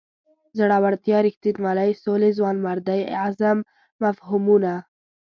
زړورتیا رښتینولۍ سولې ځوانمردۍ عزم مفهومونه.